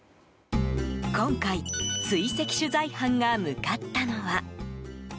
今回追跡取材班が向かったのは。